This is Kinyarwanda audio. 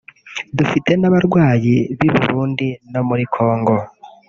dufite n’abarwayi b’i Burundi no muri Congo